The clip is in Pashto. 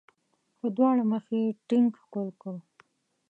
په دواړه مخه یې ټینګ ښکل کړ.